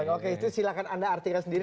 oke itu silahkan anda artikan sendiri